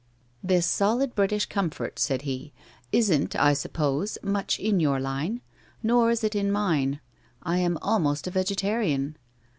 ' This solid British comfort/ said he, ' isn't, I suppose, much in your line. Nor is it in mine. I am almost a vegetarian.